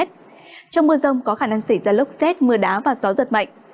trong mưa rông có khả năng xảy ra lốc xét mưa đá và gió giật mạnh